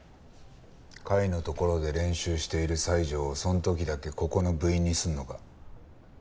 甲斐の所で練習している西条をその時だけここの部員にするのか？